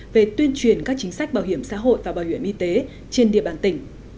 về tuyên truyền các chính sách bảo hiểm xã hội và bảo hiểm y tế trên địa bàn tỉnh